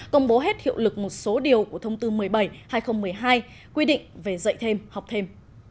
công bố hết hiệu lực một số điều của thông tư một mươi bảy hai nghìn một mươi hai quy định về dạy thêm học thêm